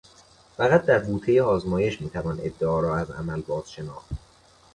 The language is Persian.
فقط در بوتهٔ آزمایش میتوان ادعا را از عمل باز شناخت.